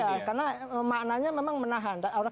ya karena maknanya memang menahan